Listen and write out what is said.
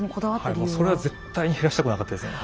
それは絶対に減らしたくなかったですよね。